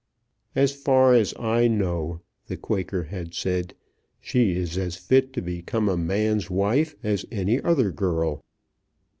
"As far as I know," the Quaker had said, "she is as fit to become a man's wife as any other girl."